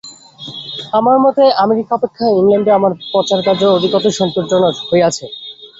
আমার মতে আমেরিকা অপেক্ষা ইংলণ্ডে আমার প্রচারকার্য অধিকতর সন্তোষজনক হইয়াছে।